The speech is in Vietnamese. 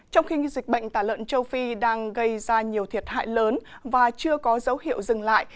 trong khi dịch bệnh tả lợn châu phi đang gây ra nhiều thiệt hại lớn và chưa có dấu hiệu dừng lại